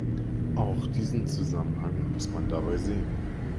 Auch diesen Zusammenhang muss man dabei sehen.